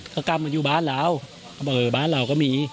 ก็กลับมาอยู่บ้านเหล่าบ้านเหล่าก็มี